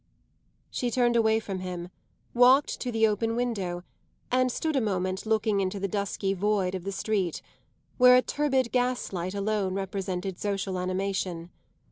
She turned away from him, walked to the open window and stood a moment looking into the dusky void of the street, where a turbid gaslight alone represented social animation.